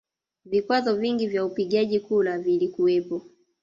Vikwazo vingi vya upigaji kura vilikuwepo